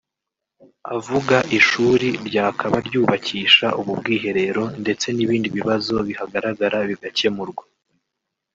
Avuga ishuri ryakaba ryubakisha ubu bwiherero ndetse n’ibindi bibazo bihagaragara bigakemurwa